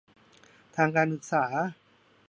ทางการศึกษา